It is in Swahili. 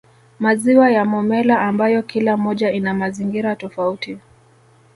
Maziwa ya Momella ambayo kila moja ina mazingira tofauti